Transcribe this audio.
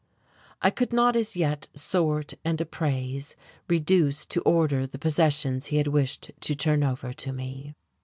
I could not as yet sort and appraise, reduce to order the possessions he had wished to turn over to me.